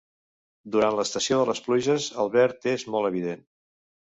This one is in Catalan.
Durant l'estació de les pluges el verd és molt evident.